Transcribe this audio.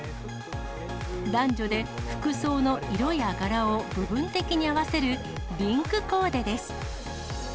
男女で服装の色や柄を部分的に合わせるリンクコーデです。